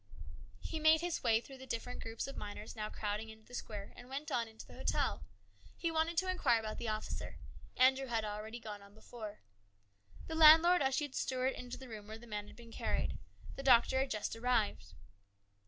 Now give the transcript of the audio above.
He made his way through the different groups of miners now crowding into the square, and went on into the hotel. He wanted to inquire about the officer. Andrew had already gone on before. The landlord ushered Stuart into the room where the man had been carried. The doctor had just arrived.